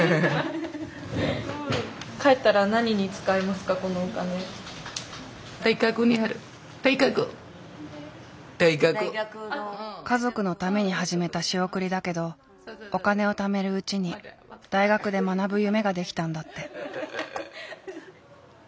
すごい。家族のために始めた仕送りだけどお金をためるうちに大学で学ぶ夢ができたんだって。